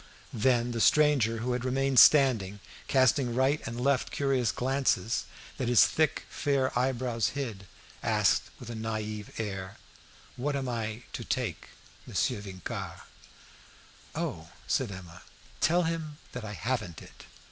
Then the stranger, who had remained standing, casting right and left curious glances, that his thick, fair eyebrows hid, asked with a naive air "What answer am I to take Monsieur Vincart?" "Oh," said Emma, "tell him that I haven't it.